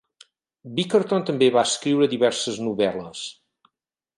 Bickerton també va escriure diverses novel·les.